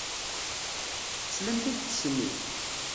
Teslamt i lḥess-nni?